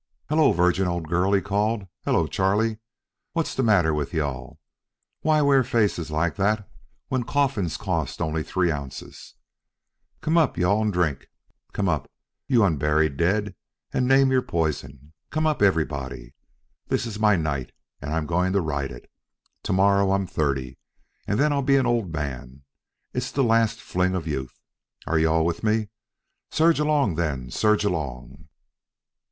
"Hello, Virgin, old girl," he called. "Hello, Charley. What's the matter with you all? Why wear faces like that when coffins cost only three ounces? Come up, you all, and drink. Come up, you unburied dead, and name your poison. Come up, everybody. This is my night, and I'm going to ride it. To morrow I'm thirty, and then I'll be an old man. It's the last fling of youth. Are you all with me? Surge along, then. Surge along.